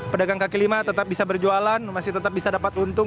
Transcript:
pedagang kaki lima tetap bisa berjualan masih tetap bisa dapat untung